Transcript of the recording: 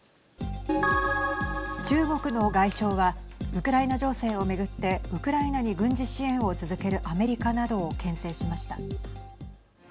中国の外相はウクライナ情勢を巡ってウクライナに軍事支援を続けるアメリカなどをけん制しました。